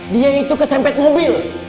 dia itu kesempet mobil